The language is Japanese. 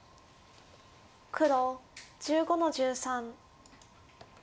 黒１５の十三。